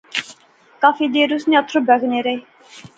کافی دیر اس نے اتھرو بغنے رہے